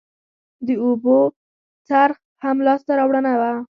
د اوبو څرخ هم لاسته راوړنه وه